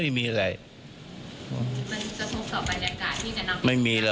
ไม่มีหรอกไม่มีกระทบ